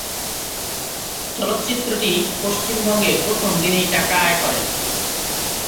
চলচ্চিত্রটি পশ্চিমবঙ্গে প্রথম দিনেই টাকা আয় করে।